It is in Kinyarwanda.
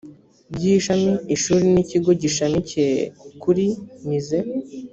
by ishami ishuri n ikigo gishamikiye kuri mize